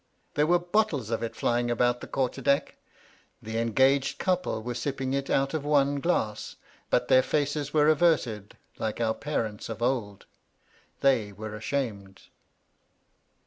There were bottles of it flying about the quarter deck. The engaged couple were sipping it out of one glass, but their faces were averted like our parents of old. They were ashamed.